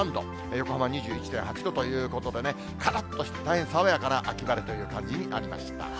横浜２１．８度ということでね、からっとした大変爽やかな秋晴れという感じになりました。